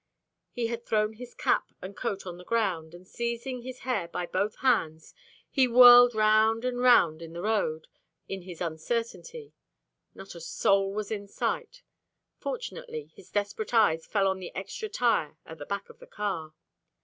He had thrown his cap and coat on the ground, and seizing his hair by both hands, he whirled round and round in the road, in his uncertainty. Not a soul was in sight. Fortunately his desperate eyes fell on the extra tire at the back of the car.